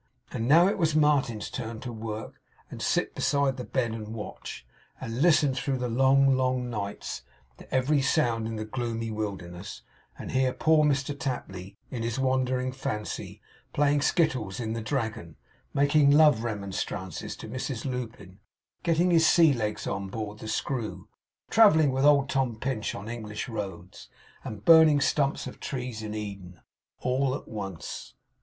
And now it was Martin's turn to work, and sit beside the bed and watch, and listen through the long, long nights, to every sound in the gloomy wilderness; and hear poor Mr Tapley, in his wandering fancy, playing at skittles in the Dragon, making love remonstrances to Mrs Lupin, getting his sea legs on board the Screw, travelling with old Tom Pinch on English roads, and burning stumps of trees in Eden, all at once.